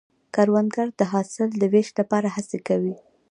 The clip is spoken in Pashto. کروندګر د حاصل د ویش لپاره هڅې کوي